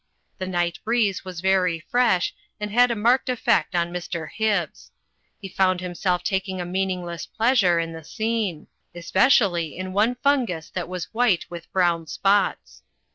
The night breeze was very fresh and had a marked effect on Mr. Hibbs. He found himself, taking a meaningless pleasure in the scene; especially in one fungus that was white with brown spots.